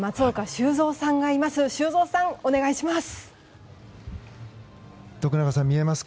修造さん、お願いします。